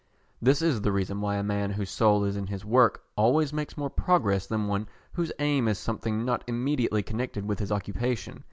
This is the reason why a man whose soul is in his work always makes more progress than one whose aim is something not immediately connected with his occupation.